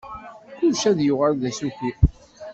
Kullec ad yuɣal d asuki.